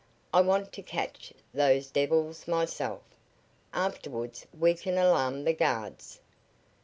I want to catch those devils myself. Afterwards we can alarm the guards!"